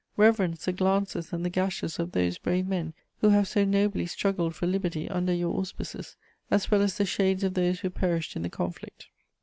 Reverence the glances and the gashes of those brave men who have so nobly struggled for liberty under your auspices, as well as the shades of those who perished in the conflict!